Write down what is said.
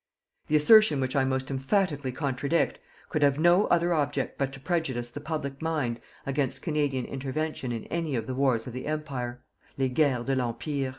The assertion which I most emphatically contradict could have no other object but to prejudice the public mind against Canadian intervention in any of the wars of the Empire les guerres de l'empire.